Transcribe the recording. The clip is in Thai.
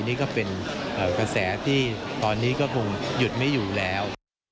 นี่ก็เป็นกระแสที่ตอนนี้ก็คงหยุดไม่อยู่แล้ว